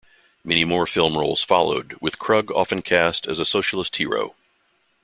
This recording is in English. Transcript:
Many more film roles followed, with Krug often cast as a socialist hero.